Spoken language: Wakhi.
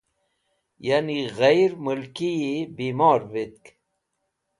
Yan yi gheyr mulkiyi bimor vitk.